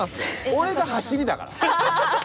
俺がはしりだから。